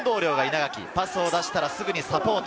パスを出したら、すぐサポート。